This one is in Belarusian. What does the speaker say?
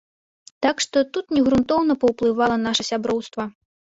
Так што, тут не грунтоўна паўплывала наша сяброўства.